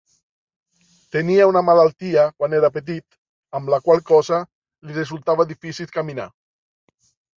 Tenia una malaltia quan era petit, amb la qual cosa li resultava difícil caminar.